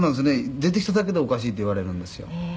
出てきただけでおかしいって言われるんですよ」